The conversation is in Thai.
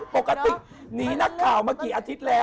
ปกติหนีนักข่าวมากี่อาทิตย์แล้ว